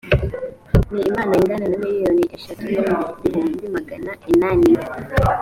n impano ingana na miliyoni eshatu n ibihumbi magana inani